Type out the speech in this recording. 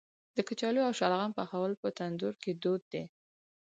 د کچالو او شلغم پخول په تندور کې دود دی.